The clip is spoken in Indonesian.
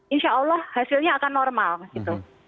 insya allah hasilnya akan normal gitu